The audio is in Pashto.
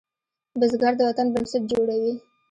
بزګر د وطن بنسټ جوړوي